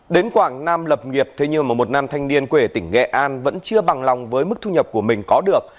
đến quảng nam lập nghiệp thế nhưng một năm thanh niên quê tỉnh nghệ an vẫn chưa bằng lòng với mức thu nhập của mình có được